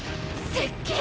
せっけん！